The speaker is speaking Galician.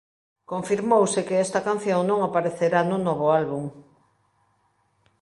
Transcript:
Confirmouse que esta canción non aparecerá no novo álbum.